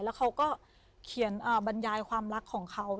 แล้วเขาก็เขียนบรรยายความรักของเขา